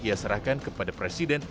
ia serahkan kepada presiden